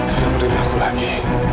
sudah menerima aku lagi